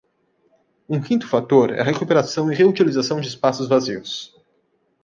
Um quinto fator é a recuperação e reutilização de espaços vazios.